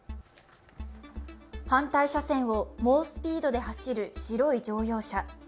反対車線を猛スピードで走る白い乗用車。